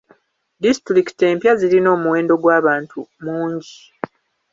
Disitulikiti empya zirina omuwendo gw'abantu mungi.